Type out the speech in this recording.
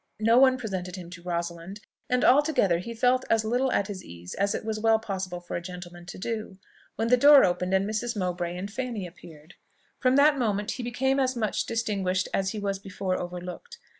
No one presented him to Rosalind, and altogether he felt as little at his ease as it was well possible for a gentleman to do, when the door opened, and Mrs. Mowbray and Fanny appeared. From that moment he became as much distinguished as he was before overlooked.